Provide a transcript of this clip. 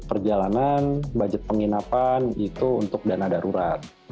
perjalanan budget penginapan itu untuk dana darurat